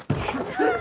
えっ！？